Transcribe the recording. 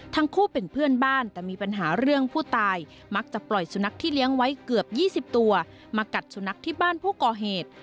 ทั้งคู่เป็นเพื่อนบ้านแต่มีปัญหาเรื่องผู้ตายมักจะปล่อยสุนัขที่เลี้ยงไว้เกือบ๒๐ตัวมากัดสุนัขที่บ้านผู้ก่อเหตุ